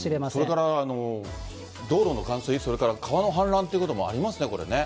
それから道路の冠水、それから川の氾濫ということもありますね、これね。